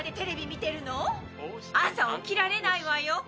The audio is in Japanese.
朝起きられないわよ。